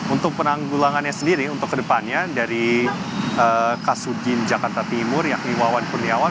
untuk penanggulangannya sendiri untuk kedepannya dari kasudin jakarta timur yakni wawan kurniawan